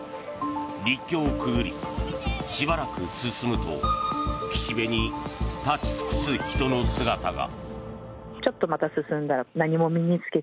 陸橋をくぐり、しばらく進むと岸辺に立ち尽くす人の姿が。